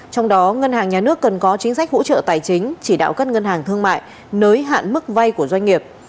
trong đó ngân hàng nhà nước cần có chính sách hỗ trợ tài chính chỉ đạo các ngân hàng thương mại nới hạn mức vay của doanh nghiệp